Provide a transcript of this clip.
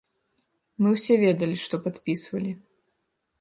Мы ўсе ведалі, што падпісвалі.